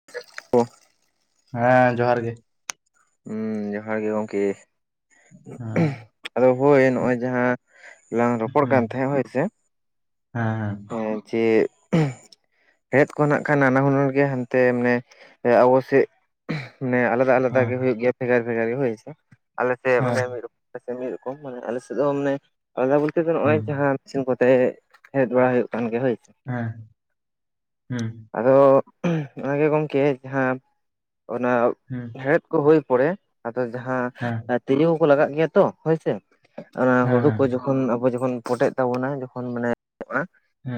[unintelligible] ᱦᱮᱸ ᱡᱚᱦᱟᱨ ᱜᱮ᱾ ᱦᱩᱸ ᱡᱚᱦᱟᱨ ᱜᱮ ᱜᱚᱝᱠᱮ᱾ ᱦᱮᱸ ᱟᱫᱚ ᱦᱳᱭ ᱱᱚᱜ-ᱚᱭ ᱡᱟᱦᱟᱸ ᱞᱟᱝ ᱨᱚᱯᱚᱲ ᱠᱟᱱ ᱛᱟᱦᱮᱸᱜ ᱦᱳᱭ ᱥᱮ᱾ ᱦᱮᱸᱻ᱾ ᱦᱮᱸ ᱡᱮ ᱠᱷᱮᱛ ᱠᱚ ᱱᱟᱜ ᱠᱷᱟᱱ ᱱᱟᱱᱟ ᱦᱩᱱᱟᱹᱨ ᱜᱮ ᱦᱟᱱᱛᱮ ᱢᱟᱱᱮ ᱟᱵᱚ ᱥᱮᱫ ᱢᱟᱱᱮ ᱟᱞᱟᱫᱟ ᱟᱞ ᱚᱱᱠᱟᱜ ᱦᱮᱸ ᱜᱮ ᱦᱮᱸ ᱦᱩᱭᱩᱜ ᱜᱮᱭᱟ ᱵᱷᱮᱜᱟᱨ ᱵᱷᱮᱜᱟᱨᱤ ᱦᱳᱭᱥᱮ, ᱟᱞᱮᱥᱮᱫ ᱦᱮᱸ ᱢᱟᱱᱮ ᱢᱤᱫ ᱨᱚᱠᱚᱢ ᱟᱞᱮ ᱥᱮᱫ ᱢᱤᱫ ᱨᱚᱠᱚᱢ ᱢᱟᱱᱮ ᱟᱞᱮᱥᱮᱫ ᱫᱚ ᱢᱟᱱᱮ ᱟᱞᱟᱫᱟ ᱵᱚᱞᱛᱮ ᱫᱚ ᱱᱚᱜ-ᱚᱭ ᱦᱩᱸ ᱡᱟᱦᱟᱸ᱾ ᱤᱥᱤᱱ ᱠᱚᱛᱮ, ᱦᱮᱡ ᱵᱟᱲᱟ ᱦᱩᱭᱩᱜ ᱠᱟᱱ ᱜᱮ ᱦᱳᱭ᱾ ᱦᱮᱸ ᱦᱩᱸ᱾ ᱟᱫᱚ ᱚᱱᱟᱜᱮ ᱜᱚᱢᱠᱮ ᱡᱟᱦᱟᱸ ᱚᱱᱟ ᱦᱩᱸ᱾ ᱦᱮᱲᱦᱮᱫ ᱠᱚ ᱦᱳᱭ ᱯᱚᱨᱮ, ᱟᱫᱚ ᱡᱟᱦᱟᱸ ᱦᱮᱸ ᱛᱤᱡᱩ ᱠᱚᱠᱚ ᱞᱟᱜᱟᱜ ᱜᱮᱭᱟ ᱛᱚ᱾ ᱦᱳᱭᱥᱮ ᱮ ᱦᱩᱲᱩ ᱠᱚ ᱦᱮᱸ ᱡᱚᱠᱷᱚᱱ ᱟᱵᱚ ᱡᱚᱠᱷᱚᱱ ᱯᱚᱴᱮᱜ ᱛᱟᱵᱚᱱᱟ, ᱡᱚᱠᱷᱚᱱ ᱢᱟᱱᱮ ᱟ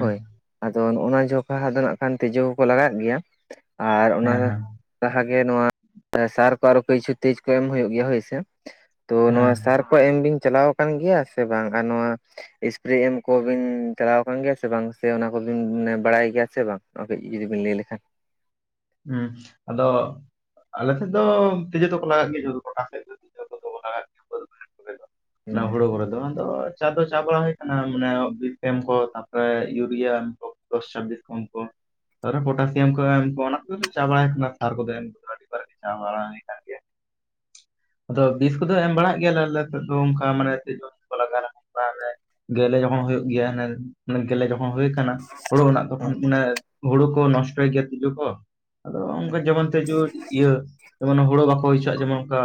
ᱦᱳᱭ᱾ ᱟᱫᱚ ᱱᱚᱜ-ᱱᱚᱣᱟ ᱡᱚᱠᱷᱟ ᱟᱫᱚ ᱦᱟᱜ-ᱠᱷᱟᱱ ᱛᱤᱡᱩ ᱠᱚᱠᱚ ᱞᱟᱜᱟᱜ ᱜᱮᱭᱟ ᱟᱨ ᱦᱮᱸ ᱚᱱᱟ᱾ ᱦᱮᱸ ᱡᱟᱦᱟᱸᱜᱮ ᱱᱚᱣᱟ᱾ ᱥᱟᱨ ᱠᱚ ᱟᱨᱚ ᱠᱤᱪᱷᱩ ᱛᱮᱡ ᱠᱚ ᱮᱢ ᱦᱳᱭᱳᱜ ᱜᱮᱭᱟ ᱦᱳᱭᱥᱮ᱾ ᱛᱚ ᱱᱚᱶᱟ ᱦᱮᱸ ᱥᱟᱨ ᱠᱚ ᱮᱢᱵᱤᱧ ᱪᱟᱞᱟᱣ ᱠᱟᱱᱜᱮᱭᱟ ᱥᱮ ᱵᱟᱝ ᱟᱨ ᱱᱚᱣᱟ᱾ ᱮᱥᱯᱨᱮ ᱮᱢ ᱠᱚᱵᱤᱱ ᱪᱟᱞᱟᱣ ᱟᱠᱟᱱ ᱜᱮᱭᱟ ᱥᱮ ᱵᱟᱝ, ᱥᱮ ᱚᱱᱟ ᱠᱚᱵᱤᱱᱮ ᱵᱟᱲᱟᱭ ᱜᱮᱭᱟ ᱥᱮ ᱵᱟᱝ᱾ ᱱᱚᱣᱟ ᱠᱟᱹᱡ ᱡᱩᱫᱤᱵᱤᱱ ᱞᱟᱹᱭ ᱞᱮᱠᱷᱟᱱ᱾ ᱦᱮᱸ ᱟᱫᱚ ᱟᱞᱮᱥᱮᱫ ᱫᱚ ᱛᱤᱡᱩ ᱫᱚᱠᱚ ᱞᱟᱜᱟᱜ ᱜᱮᱭᱟ ᱡᱚᱛᱚ ᱜᱚᱴᱟ ᱥᱮᱫ ᱫᱚ ᱛᱤᱡᱮ ᱠᱚ ᱞᱟᱜᱟᱜ ᱜᱮᱭᱟ ᱵᱟᱹᱫᱽ ᱵᱟᱹᱭᱦᱟᱹᱲ ᱠᱚᱨᱮ ᱫᱚ [inaudible] ᱚᱱᱟ ᱦᱩᱸ ᱦᱩᱲᱳ ᱠᱚᱨᱮ ᱫᱚ᱾ ᱟᱫᱚ ᱪᱟᱣ ᱫᱚ ᱪᱟᱣ ᱵᱟᱲᱟ ᱦᱩᱭ ᱟᱠᱟᱱᱟ ᱢᱟᱱᱮ ᱵᱤᱯᱮᱢ ᱠᱚ ᱛᱟᱨᱯᱚᱨᱮ ᱤᱭᱩᱨᱤᱭᱟ ᱫᱚᱥ ᱪᱷᱟᱵᱤᱥ ᱯᱟᱱ ᱠᱚ᱾ ᱛᱮ ᱯᱚᱴᱟᱥᱤᱭᱟᱢ ᱠᱚ ᱮᱢ ᱠᱚ ᱚᱱᱟ ᱠᱚ ᱪᱟ ᱵᱟᱲᱟᱭ ᱟᱠᱟᱱᱟ ᱥᱟᱨ ᱠᱚᱫᱚ ᱮᱢ ᱟᱹᱰᱤ ᱵᱟᱨ ᱪᱟᱣ ᱵᱟᱲᱟ ᱦᱳᱭ ᱟᱫᱚ ᱵᱤᱥ ᱠᱚᱫᱚ ᱮᱢ ᱵᱟᱲᱟᱜ ᱜᱮᱭᱟᱞᱮ ᱟᱞᱮ ᱥᱮᱫ ᱫᱚ ᱚᱱᱠᱟ ᱢᱟᱱᱮ ᱛᱤᱡᱳ ᱠᱚᱠᱚ ᱞᱟᱜᱟᱣ [unintelligible] ᱜᱮᱞᱮ ᱡᱚᱠᱷᱚᱱ ᱦᱳᱭᱳᱜ ᱜᱮᱭᱟ ᱦᱟᱱᱮ ᱜᱮᱞᱮ ᱡᱚᱠᱷᱚᱱ ᱦᱩᱭ ᱠᱟᱱᱟ, ᱦᱩᱲᱩ ᱨᱮᱱᱟᱜ ᱛᱚᱠᱷᱚᱱ ᱢᱟᱱᱮ ᱦᱩᱲᱩ ᱠᱚ ᱱᱚᱥᱴᱚᱭ ᱜᱮᱭᱟ ᱛᱤᱡᱩ ᱠᱚ᱾ ᱟᱫᱚ ᱚᱱᱠᱟ ᱡᱮᱢᱚᱱ ᱛᱮᱡᱳ, ᱤᱭᱟᱹ ᱡᱮᱢᱚᱱ ᱦᱩᱲᱳ ᱵᱟᱠᱚ ᱦᱳᱭ ᱦᱚᱪᱟᱣᱟᱜ-ᱟ ᱡᱮᱢᱚᱱ ᱚᱱᱠᱟ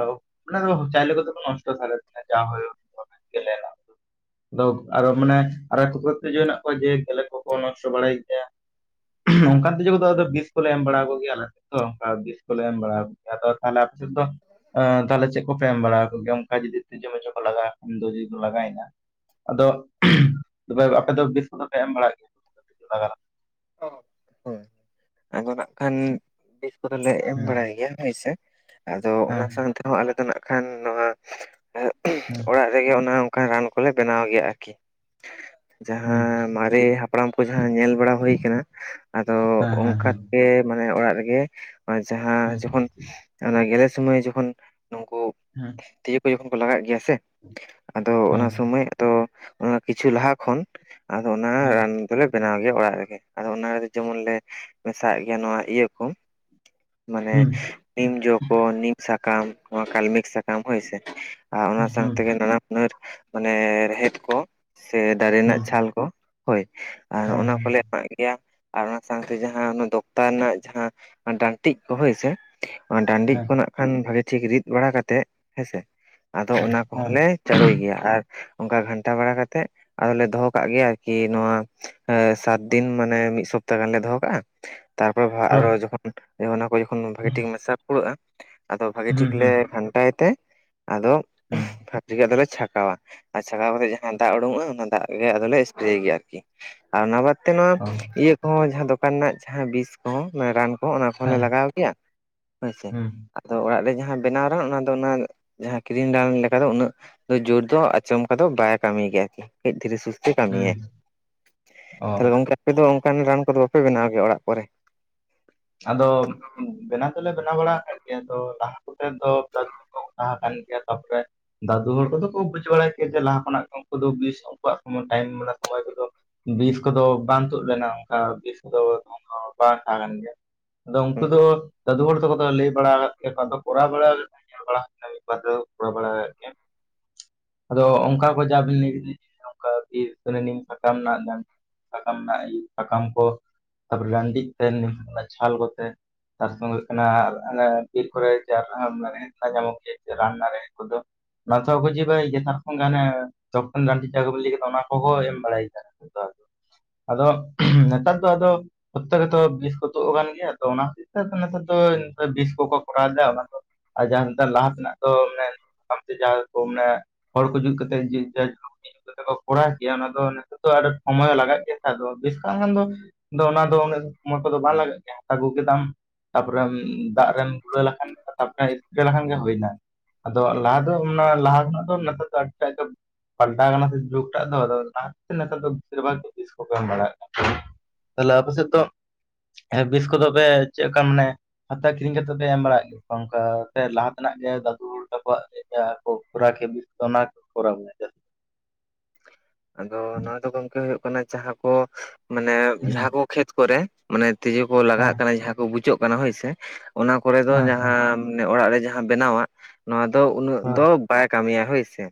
ᱟᱱᱟ ᱫᱚ ᱪᱟᱭᱞᱮ ᱠᱚᱫᱚ ᱠᱚ ᱱᱚᱥᱴᱚ ᱛᱟᱞᱮ ᱡᱟ ᱦᱳᱭᱳᱜ-ᱟ ᱜᱮᱞᱮ᱾ ᱟᱫᱚ ᱟᱨᱚ ᱢᱟᱱᱮ ᱟᱨ ᱛᱮᱡᱳ ᱢᱮᱱᱟᱜ ᱠᱚᱣᱟ ᱡᱮ ᱜᱮᱞᱮ ᱠᱚᱠᱚ ᱱᱚᱥᱴᱚ ᱵᱟᱲᱟᱭ ᱜᱮᱭᱟ᱾ ᱚᱱᱠᱟ ᱛᱮᱡᱳ ᱠᱚᱫᱚ ᱟᱫᱚ ᱵᱤᱥ ᱠᱚᱞᱮ ᱮᱢ ᱵᱟᱲᱟ ᱟᱠᱚ ᱜᱮᱭᱟ ᱟᱞᱮ ᱥᱮᱫ ᱫᱚ ᱚᱱᱠᱟ ᱵᱤᱥ ᱠᱚᱞᱮ ᱮᱢ ᱵᱟᱲᱟᱣ ᱟᱫᱚ ᱛᱟᱦᱚᱸᱞᱮ ᱟᱯᱮ ᱥᱮᱫ ᱫᱚ ᱮᱸᱻ᱾ ᱪᱮᱫ ᱠᱚᱯᱮ ᱮᱢ ᱵᱟᱲᱟ ᱟᱠᱚ ᱠᱚᱜᱮᱭᱟ ᱚᱱᱠᱟ ᱡᱩᱫᱤ ᱛᱤᱡᱳ ᱢᱮᱡᱳ ᱠᱚ ᱞᱟᱜᱟᱜ-ᱟ ᱩᱱ ᱫᱚ ᱡᱩᱫᱤᱢ ᱞᱟᱜᱟᱭᱮᱱᱟ᱾ ᱟᱫᱚ ᱛᱚᱵᱮ ᱟᱯᱮ ᱫᱚ ᱵᱮᱥ ᱠᱚᱫᱚ ᱯᱮ ᱮᱢ ᱵᱟᱲᱟᱜ ᱜᱮᱭᱟ ᱞᱟᱜᱟᱜᱼᱟ [inaudible] ᱟᱫᱚ ᱱᱟᱜ ᱠᱷᱟᱱ ᱵᱤᱥ ᱠᱚᱫᱚᱞᱮ ᱮᱢ ᱞᱮᱠᱷᱟᱱ? ᱵᱟᱲᱟᱭ ᱜᱮᱭᱟ ᱦᱳᱭᱥᱮ, ᱟᱫᱚ ᱦᱮᱸ ᱚᱱᱟ ᱥᱟᱶᱛᱮᱦᱚᱸ ᱟᱞᱮ ᱫᱚ ᱱᱟᱜ ᱠᱷᱟᱱ ᱱᱚᱣᱟ, ᱦᱮᱸ᱾ ᱚᱲᱟᱜ ᱨᱮᱜᱮ ᱚᱱᱮ ᱚᱱᱠᱟ ᱨᱟᱱ ᱠᱚᱞᱮ ᱵᱮᱱᱟᱣ ᱜᱮᱭᱟ ᱟᱨᱠᱤ, ᱡᱟᱦᱟ ᱦᱮᱸ ᱢᱟ ᱨᱮ ᱦᱟᱯᱲᱟᱢ ᱠᱚ ᱡᱟᱦᱟᱸ ᱧᱮᱞ ᱵᱟᱲᱟ ᱦᱩᱭ ᱟᱠᱟᱱᱟ ᱟᱫᱚ ᱦᱮᱸ ᱦᱮᱸ ᱦᱮᱸ ᱚᱱᱠᱟ ᱦᱮᱸ ᱛᱮ ᱜᱮ ᱢᱟᱱᱮ ᱚᱲᱟᱜ ᱨᱮᱜᱮ, ᱟᱨ ᱡᱟᱦᱟᱸ ᱡᱚᱠᱷᱚᱱ ᱚᱱᱟ ᱜᱮᱞᱮ ᱥᱩᱢᱟᱹᱭ ᱡᱚᱠᱷᱚᱱ ᱱᱩᱠᱩ ᱦᱮᱸ᱾ ᱛᱮᱡᱳ ᱠᱚ ᱡᱚᱠᱷᱚᱱ ᱠᱚ ᱞᱟᱜᱟᱜ ᱜᱮᱭᱟ ᱥᱮ ᱟᱫᱚ ᱦᱮᱸ ᱚᱱᱟ ᱦᱮᱸ ᱥᱩᱢᱟᱹᱭ ᱛᱚ ᱚᱱᱟ ᱠᱤᱪᱷᱩ ᱞᱟᱦᱟ ᱠᱷᱚᱱ ᱟᱫᱚ ᱚᱱᱟ ᱨᱟᱱ ᱦᱮᱸ᱾ ᱫᱚᱞᱮ ᱵᱮᱱᱟᱣ ᱜᱮᱭᱟ ᱚᱲᱟᱜ ᱨᱮᱜᱮ ᱟᱫᱚ ᱚᱱᱟ ᱨᱮᱫᱚ ᱡᱮᱢᱚᱱ ᱞᱮ ᱢᱮᱥᱟ ᱦᱟᱜ ᱜᱮᱭᱟ ᱱᱚᱣᱟ ᱤᱭᱟᱹ ᱠᱚ᱾ ᱢᱟᱱᱮ ᱦᱩᱸ ᱱᱤᱢ ᱡᱚ ᱠᱚ ᱱᱤᱢ ᱥᱟᱠᱟᱢ ᱱᱚᱣᱟ ᱠᱟᱞᱢᱤᱠ ᱥᱟᱠᱟᱢ ᱦᱳᱭᱥᱮ, ᱟᱨ ᱚᱱᱟ ᱦᱩᱸ ᱥᱟᱶ ᱦᱩᱸ ᱛᱮᱜᱮ ᱱᱟᱱᱟ ᱦᱩᱱᱟᱹᱨ ᱢᱟᱱᱮ ᱨᱮᱦᱮᱫ ᱠᱚ ᱥᱮ ᱫᱟᱨᱮ ᱨᱮᱱᱟᱜ ᱦᱮᱸ ᱪᱷᱟᱞ ᱠᱚ, ᱦᱳᱭ ᱟᱨ ᱚᱱᱟ ᱦᱮᱸ ᱠᱚᱞᱮ ᱟᱨᱟᱜ ᱜᱮᱭᱟ ᱟᱨ ᱚᱱᱟ ᱥᱟᱶᱛᱮ ᱡᱟᱦᱟᱸ ᱫᱚᱠᱛᱟ ᱨᱮᱱᱟᱜ ᱡᱟᱦᱟᱸ ᱰᱟᱱᱴᱤᱡᱽ ᱠᱚ ᱦᱳᱭ ᱥᱮ, ᱰᱟᱺᱰᱤᱡᱽ ᱦᱮᱸ ᱠᱷᱚᱱᱟᱜ ᱠᱷᱟᱱ ᱵᱷᱟᱜᱤ ᱴᱷᱤᱠ ᱨᱤᱫ ᱵᱟᱲᱟ ᱠᱟᱛᱮᱜ ᱦᱮᱸᱥᱮ ᱟᱫᱚ ᱦᱮᱸ ᱚᱱᱟ ᱦᱮᱸ ᱠᱚᱦᱚᱸᱞᱮ ᱪᱟᱲᱩᱭ ᱜᱮᱭᱟ, ᱟᱨ ᱚᱱᱠᱟ ᱜᱷᱟᱱᱴᱟ ᱵᱟᱲᱟ ᱠᱟᱛᱮᱫ, ᱟᱫᱚᱞᱮ ᱫᱚᱦᱚ ᱠᱟᱜ ᱜᱮᱭᱟ ᱟᱨᱠᱤ ᱱᱚᱣᱟ ᱥᱟᱛᱫᱤᱱ ᱢᱟᱱᱮ ᱢᱤᱫᱽ ᱥᱚᱯᱛᱟ ᱜᱟᱱᱞᱮ ᱫᱚᱦᱚ ᱠᱟᱜᱼᱟ᱾ ᱛᱟᱨᱯᱚᱨᱮ ᱟᱨᱚ ᱡᱚᱠᱷᱚᱱ ᱚᱱᱟ ᱠᱚ ᱡᱚᱠᱷᱚᱱ ᱵᱷᱟᱹᱜᱤ ᱴᱷᱤᱠ ᱢᱮᱥᱟ ᱯᱩᱨᱟᱹᱜᱼᱟ᱾ ᱟᱫᱚ ᱵᱷᱟᱜᱮ ᱦᱩᱸ ᱴᱷᱤᱠ ᱞᱮ ᱦᱩᱸ ᱜᱷᱟᱱᱴᱟᱭ ᱛᱮ ᱟᱫᱚ, ᱦᱩᱸ ᱨᱮᱜᱮ ᱟᱫᱚᱞᱮ ᱪᱷᱟᱠᱟᱣᱟ ᱟᱨ ᱪᱷᱟᱠᱟᱣ ᱠᱟᱛᱮ ᱡᱟᱦᱟᱸ ᱫᱟᱜ ᱩᱰᱩᱠᱚᱜᱼᱟ ᱚᱱᱟ ᱫᱟᱜ ᱜᱮ ᱟᱫᱚᱞᱮ ᱮᱥᱯᱮᱨᱮ ᱜᱮᱭᱟ ᱟᱨᱠᱤ᱾ ᱚᱱᱟ ᱵᱟᱫᱛᱮ ᱱᱚᱣᱟ ᱚ ᱤᱭᱟᱹ ᱠᱚᱦᱚᱸ ᱡᱟᱦᱟᱸ ᱫᱚᱠᱟᱱ ᱨᱮᱱᱟᱜ ᱡᱟᱦᱟᱸ ᱵᱤᱥ ᱠᱚᱦᱚᱸ ᱨᱟᱱ ᱠᱚ ᱚᱱᱟ ᱦᱚᱸᱞᱮ ᱦᱮᱸ ᱞᱟᱜᱟᱣ ᱜᱮᱭᱟ ᱦᱳᱭᱥᱮ᱾ ᱦᱩᱸ ᱟᱫᱚ ᱚᱲᱟᱜ ᱨᱮ ᱡᱟᱸᱦᱟ ᱵᱮᱱᱟᱣ ᱨᱮᱦᱚᱸ ᱚᱱᱟ ᱫᱚ ᱚᱱᱟ ᱡᱟᱦᱟᱸ ᱠᱤᱨᱤᱧ ᱨᱟᱲ ᱞᱮᱠᱟᱫᱚ ᱩᱱᱟᱹᱜ ᱡᱳᱨ ᱫᱚ ᱟᱪᱚᱢᱠᱟ ᱫᱚ ᱵᱟᱭ ᱠᱟᱹᱢᱤ ᱜᱮᱭᱟ ᱟᱨᱠᱤ᱾ ᱠᱟᱹᱡᱽ ᱫᱷᱤᱨᱮ ᱥᱩᱥᱛᱤ ᱠᱟᱹᱢᱤᱭᱟᱭ ᱦᱩᱸ ᱚ ᱛᱚ ᱜᱚᱢᱠᱮ᱾ ᱟᱯᱮ ᱫᱚ ᱚᱱᱠᱟᱱ ᱨᱟᱱ ᱠᱚᱫᱚ ᱵᱟᱯᱮ ᱵᱮᱱᱟᱣ ᱜᱮᱭᱟ ᱚᱲᱟᱜ ᱠᱚᱨᱮ᱾ ᱟᱫᱚ ᱵᱮᱱᱟᱣ ᱫᱚᱞᱮ ᱛᱚᱞᱟ ᱵᱟᱲᱟᱜ ᱟᱠᱟᱫ ᱜᱮᱭᱟ ᱟᱫᱚ ᱞᱟᱦᱟ ᱠᱚᱛᱮ ᱫᱚ ᱫᱟᱫᱩ ᱦᱚᱲ ᱠᱚ ᱛᱚᱞᱟ ᱠᱟᱱ ᱜᱮᱭᱟ ᱛᱟᱯᱚᱨᱮ᱾ ᱫᱟᱹᱫᱩ ᱦᱚᱲ ᱠᱚᱫᱚ ᱠᱚ ᱵᱩᱡᱽ ᱵᱟᱲᱟᱭ ᱠᱮᱭᱟ ᱡᱮ ᱞᱟᱦᱟ ᱠᱷᱚᱱᱟᱜ ᱜᱮ ᱩᱱᱠᱩ ᱫᱚ ᱵᱤᱥ ᱩᱱᱠᱩᱣᱟᱜ ᱥᱚᱢᱚᱭ ᱴᱟᱭᱤᱢ ᱢᱮᱱᱟᱜ ᱥᱚᱢᱚᱭ ᱠᱚᱫᱚ᱾ ᱵᱤᱥ ᱠᱚᱫᱚ ᱵᱟᱝ ᱛᱩᱫ ᱞᱮᱱᱟ ᱚᱱᱠᱟ ᱵᱤᱥ ᱠᱚᱫᱚ ᱫᱚ ᱵᱟᱝ ᱛᱟᱦᱮᱸ ᱠᱟᱱ ᱜᱮᱭᱟ᱾ ᱟᱫᱚ ᱦᱩᱸ ᱩᱱᱠᱩ ᱫᱚ ᱫᱟᱹᱫᱩ ᱦᱚᱲ ᱛᱚᱠᱚ ᱫᱚ ᱞᱟᱹᱭ ᱵᱟᱲᱟ ᱟᱠᱟᱫ ᱜᱮᱭᱟ ᱠᱚ ᱠᱚᱨᱟᱣ ᱵᱟᱲᱟ ᱟᱠᱟᱱᱟ ᱧᱮᱞ ᱵᱟᱲᱟ ᱟᱠᱟᱱᱟ᱾ ᱢᱤᱫᱽ ᱵᱟᱨᱫᱦᱟᱣ ᱠᱚᱨᱟᱣ ᱵᱟᱲᱟ ᱟᱠᱟᱜ ᱜᱮᱭᱟ᱾ ᱟᱫᱚ ᱚᱝᱠᱟ ᱠᱚ ᱡᱟᱵᱤᱱᱟᱹᱭᱚᱱᱠᱟ ᱥᱤ ᱥᱟᱠᱟ ᱢᱮᱱᱟᱜ ᱵᱮ [unintelligible] ᱥᱟᱠᱟᱢ ᱱᱟᱜ ᱥᱟᱠᱟᱢ ᱠᱚ ᱛᱟᱨᱯᱚᱨ ᱨᱟᱱᱫᱤᱡᱽ ᱛᱮᱞ ᱚᱱᱟ ᱪᱷᱟᱞ ᱠᱚᱛᱮ᱾ ᱛᱟᱨᱥᱚᱸᱜᱮ ᱦᱩᱭᱩᱜ ᱠᱟᱱᱟ ᱚᱱᱮ ᱵᱤᱨ ᱠᱚᱨᱮ ᱡᱟᱨ ᱦᱟᱢ ᱢᱟᱱᱮ᱾ ᱞᱮᱠᱦᱟ ᱧᱟᱢᱚᱜ ᱜᱮᱭᱟ ᱨᱟᱱ ᱫᱟᱨᱮ ᱠᱚᱫᱚ᱾ ᱚᱱᱟ ᱛᱚ ᱠᱚ ᱡᱤ ᱵᱟᱲᱟᱭ ᱜᱮᱭᱟ ᱛᱟᱨ ᱵᱦᱟᱝᱜᱟ ᱟᱱᱮ ᱛᱚᱠᱷᱚᱱ ᱨᱟᱱ ᱡᱟᱜᱟ ᱰᱤᱱ ᱞᱟᱹᱭ ᱠᱮᱫᱽ ᱚᱱᱟ ᱠᱚᱦᱚᱸᱭ ᱮᱢ ᱵᱟᱲᱟᱭ ᱜᱮᱭᱟ᱾ ᱟᱫᱚ ᱱᱮᱛᱟᱨ ᱫᱚ ᱟᱫᱚ ᱯᱚᱨᱛᱮ ᱨᱮᱛᱚ ᱵᱤᱥᱠᱚ ᱛᱚ ᱠᱟᱱ ᱜᱮᱭᱟ ᱛᱚ ᱚᱱᱟ ᱦᱚᱛᱮᱜ ᱛᱮ ᱟᱫᱚ ᱱᱮᱛᱟᱨ ᱫᱚ ᱵᱤᱥ ᱠᱚᱠᱚ ᱠᱚᱨᱟᱣᱫᱟ ᱚᱱᱟ ᱫᱚ ᱟᱨ ᱡᱟᱦᱟᱸ ᱱᱮᱛᱟᱨ ᱞᱟᱦᱟ ᱛᱮᱱᱟᱜ ᱫᱚ ᱢᱟᱱᱮ ᱡᱟᱦᱟᱸ ᱠᱚ ᱢᱟᱱᱮ ᱦᱚᱲ ᱠᱩ ᱡᱩᱛ ᱠᱟᱛᱮ ᱡᱮ ᱡᱟᱭ ᱤᱱᱠᱟ ᱠᱟᱛᱮ ᱠᱚᱨᱟᱣ ᱜᱮᱭᱟ ᱚᱱᱟ ᱫᱚ ᱱᱤᱛᱚᱜ ᱫᱚ ᱟᱨ ᱥᱚᱢᱚᱭ ᱞᱟᱜᱟᱜ ᱜᱮᱭᱟ ᱟᱫᱚ ᱵᱮᱥ ᱠᱷᱟᱱ ᱫᱚ ᱟᱫᱚ ᱚᱱᱟ ᱫᱚ ᱩᱱᱟᱹᱜ ᱥᱚᱢᱚᱭ ᱠᱚᱫᱚ ᱵᱟᱝ ᱞᱟᱜᱟᱜ ᱜᱮᱭᱟ ᱟᱹᱜᱩ ᱠᱮᱫᱟᱢ᱾ ᱛᱟᱯᱚᱨᱮᱢ ᱫᱟᱜ ᱨᱮᱢ ᱜᱩᱨᱟᱹᱣ ᱞᱮᱠᱷᱟᱱ ᱛᱯᱨᱯᱨᱮ ᱥᱯᱨᱮ ᱞᱮᱠᱷᱟᱱ ᱜᱮ ᱦᱩᱭᱱᱟ। ᱟᱫᱚ ᱞᱟᱦᱟ ᱫᱚ ᱚᱱᱟ ᱞᱟᱦᱟ ᱠᱷᱚᱱᱟᱜ ᱫᱚ ᱱᱮᱛᱟᱨ ᱫᱚ ᱟᱹᱰᱤᱴᱟᱜ ᱜᱮ ᱯᱟᱞᱴᱟᱣ ᱠᱟᱱᱟ ᱥᱮ ᱡᱩᱜᱽᱴᱟᱜ ᱫᱚ ᱟᱫᱚ ᱚᱱᱟ ᱦᱚᱛᱮᱛᱮᱡ ᱛᱮ ᱱᱮᱛᱟᱨ ᱫᱚ ᱵᱮᱥᱤᱨ ᱵᱷᱟᱜᱽ ᱜᱮ ᱵᱤᱥ ᱠᱚᱠᱚ ᱮᱢ ᱵᱟᱲᱟᱭᱮᱫ ᱠᱟᱱ। ᱛᱟᱦᱞᱮ ᱟᱯᱮ ᱥᱮᱫ ᱫᱚ ᱦᱮᱸ ᱵᱤᱥ ᱠᱚᱫᱚ ᱯᱮ ᱪᱮᱫ ᱞᱮᱠᱟ ᱢᱟᱱᱮ ᱚᱱᱠᱟ ᱠᱤᱨᱤᱧ ᱠᱟᱛᱮᱫ ᱯᱮ ᱮᱢ ᱵᱟᱲᱟᱭᱮᱫ ᱜᱮᱭᱟ ᱚᱱᱠᱟ ᱞᱟᱦᱟ ᱛᱮᱱᱟᱜ ᱜᱮ ᱫᱟᱫᱩ ᱛᱟᱠᱚᱣᱟᱜ ᱞᱮᱠᱟ ᱠᱚ ᱠᱚᱨᱟᱣ [inaudible] ᱵᱤᱥ [unintelligible] ᱟᱫᱚ ᱱᱚᱣᱟ ᱫᱚ ᱜᱚᱝᱠᱮ ᱦᱩᱭᱩᱜ ᱠᱟᱱᱟ ᱡᱟᱦᱟᱸ ᱠᱚ ᱢᱟᱱᱮ ᱦᱮᱸ ᱡᱟᱦᱟᱸ ᱠᱚ ᱠᱷᱮᱛ ᱠᱚᱨᱮ ᱢᱟᱱᱮ ᱛᱤᱡᱩ ᱠᱚ ᱦᱮᱸ ᱦᱮᱸ ᱞᱟᱜᱟᱜ ᱠᱟᱱᱟ ᱡᱟᱦᱟᱸ ᱠᱚ ᱵᱩᱪᱟᱹᱜ ᱠᱟᱱᱟ ᱦᱳᱭᱥᱮ। ᱚᱱᱟ ᱠᱚᱨᱮ ᱫᱚ ᱦᱮᱸ ᱡᱟᱦᱟᱸ ᱢᱟᱱᱮ ᱚᱲᱟᱜ ᱨᱮ ᱡᱟᱦᱟᱸ ᱵᱮᱱᱟᱣᱟᱜ ᱱᱚᱣᱟ ᱫᱚ ᱩᱱᱟᱹᱜ ᱫᱚ ᱵᱟᱭ ᱠᱟᱹᱢᱤᱭᱟ ᱦᱳᱭ ᱥᱮ